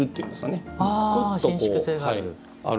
あ伸縮性がある。